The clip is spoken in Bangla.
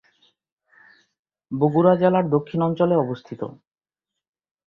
বগুড়া জেলার দক্ষিণ অঞ্চলে অবস্থিত।